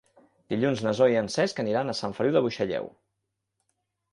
Dilluns na Zoè i en Cesc aniran a Sant Feliu de Buixalleu.